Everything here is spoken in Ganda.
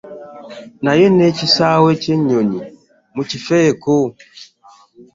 Naye n'ekisaawe ky'ennyonyi mukifeeko.